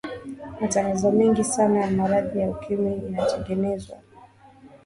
matangazo mengi sana na majarida ya ukimwi yalitengenezwa